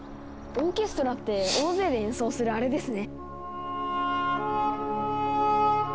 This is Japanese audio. オーケストラって大勢で演奏するあれですね！